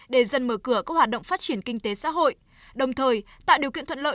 để dần mở cửa các hoạt động phát triển kinh tế xã hội đồng thời tạo điều kiện thuận lợi